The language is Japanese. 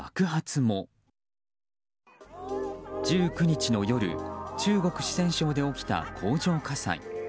１９日の夜中国・四川省で起きた工場火災。